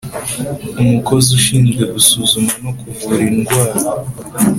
umukozi ushinzwe gusuzuma no kuvura indwara